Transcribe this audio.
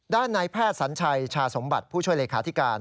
ด้านในแพทย์สัญชัยชาสมบัติผู้ช่วยเลขาธิการ